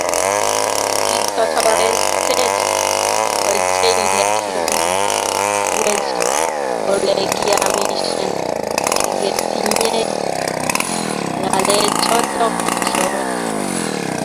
Kitotoretech ochei nekiribwech olegiamishen kigetinyei ngalechoto chok